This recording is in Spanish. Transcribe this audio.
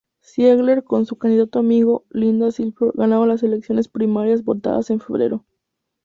Ziegler con su candidato amigo, Linda Clifford ganaron las elecciones primarias votadas en febrero.